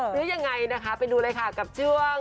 หรือยังไงนะคะไปดูเลยค่ะกับช่วง